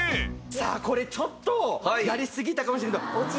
さあこれちょっとやりすぎたかもしれないけど。